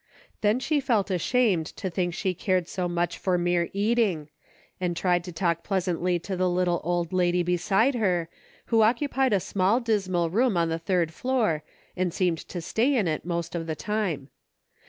Then she felt ashamed to think she cared so much for mere eating, and tried to talk pleasantly to the little old lady beside her, who occupied a small dismal room on the third floor and seemed to stay in it most of the time.